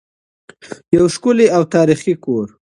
یو ښکلی او تاریخي کور.